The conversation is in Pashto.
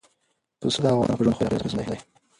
پسه د افغانانو په ژوند خورا ډېر اغېزمن دی.